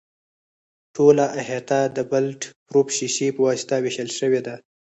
ټوله احاطه د بلټ پروف شیشې په واسطه وېشل شوې ده.